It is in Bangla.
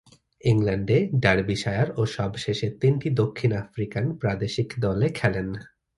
ইংল্যান্ডে ডার্বিশায়ার ও সবশেষে তিনটি দক্ষিণ আফ্রিকান প্রাদেশিক দলে খেলেন।